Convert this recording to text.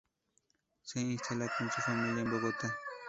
Se instala con su familia en Bogotá.